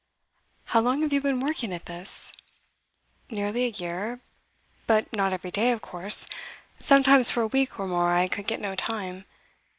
'How long have you been working at this?' 'Nearly a year. But not every day, of course. Sometimes for a week or more I could get no time.